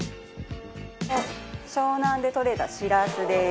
湘南でとれたシラスです。